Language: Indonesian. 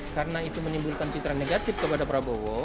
karena itu menimbulkan citra negatif kepada prabowo